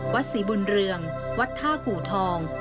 ศรีบุญเรืองวัดท่ากูทอง